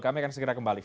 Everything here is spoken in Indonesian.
kami akan segera kembali